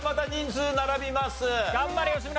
頑張れ吉村！